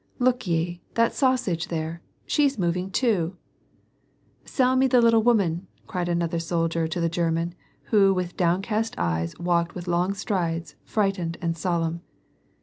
Look ye, that sausage there ! she's moving too !" "Sell me the little woman" cried another soldier to the German who with downcast eyes walked with long strides, frightened and solemn.